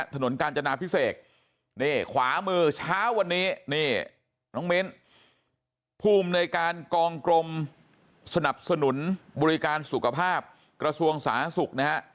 ถนนกาญจนาพิเศษนี่ขวามือเช้าวันนี้นี่น้องมิ้นผู้อำนวยการกองกรมสนับสนุนบริการสุขภาพกระทรวงสาธารณสุขนะฮะ